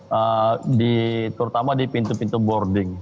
ini dilakukan demi menjaga seluruh pengguna moda transportasi ini